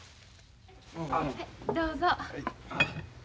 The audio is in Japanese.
どうぞ。